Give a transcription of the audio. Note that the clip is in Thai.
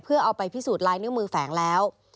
เพื่อเอาไปพิสูจน์ลายนิ้วมือแฝงแล้ว